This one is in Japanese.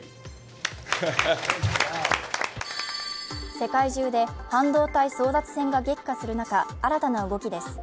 世界中で半導体争奪戦が激化する中新たな動きです